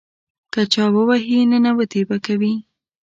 که چا ووهې، ننواتې به کوې.